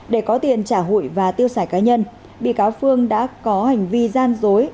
để có tiền trả hụi và tiêu xài cá nhân bị cáo phương đã có hành vi gian dối